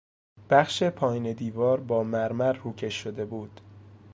بخش پایین دیوار با مرمر روکش شده بود.